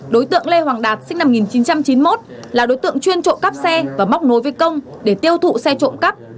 đối tượng lê hoàng đạt sinh năm một nghìn chín trăm chín mươi một là đối tượng chuyên trộm cắp xe và móc nối với công để tiêu thụ xe trộm cắp